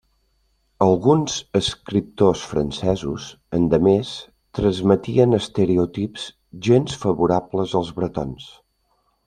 Alguns escriptors francesos, endemés, transmetien estereotips gens favorables als bretons.